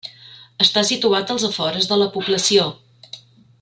Està situat als afores de la població.